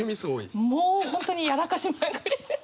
もう本当にやらかしまくりです。